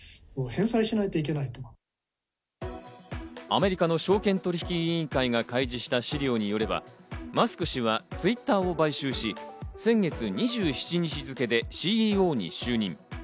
アメリカの証券取引委員会が開示した資料によれば、マスク氏はＴｗｉｔｔｅｒを買収し、先月２７日付けでＣＥＯに就任。